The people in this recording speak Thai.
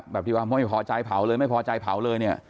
ที่ว่าไม่พอใจเผาเลยไม่พอใจเผาเลยเนี่ย